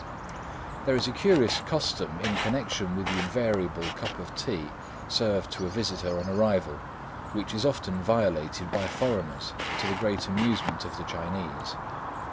There is a curious custom in connection with the invariable cup of tea served to a visitor on arrival which is often violated by foreigners, to the great amusement of the Chinese.